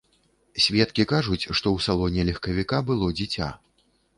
Сведкі кажуць, што ў салоне легкавіка было дзіця.